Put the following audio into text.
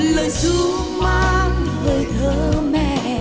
lời ru mang hơi thơ mẹ